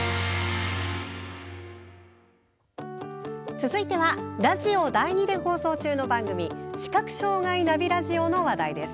続いてはラジオ第２で放送中の番組「視覚障害ナビ・ラジオ」の話題です。